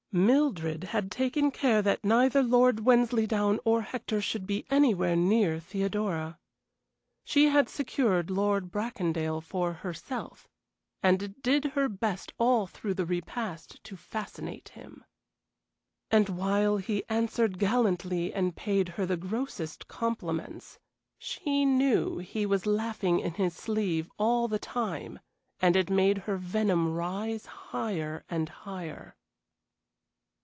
Mildred had taken care that neither Lord Wensleydown or Hector should be anywhere near Theodora. She had secured Lord Bracondale for herself, and did her best all through the repast to fascinate him. And while he answered gallantly and paid her the grossest compliments, she knew he was laughing in his sleeve all the time, and it made her venom rise higher and higher.